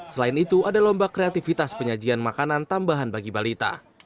selain itu ada lomba kreativitas penyajian makanan tambahan bagi balita